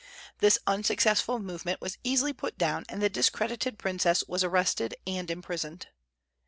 This unsuccessful movement was easily put down, and the discredited princess was arrested and imprisoned.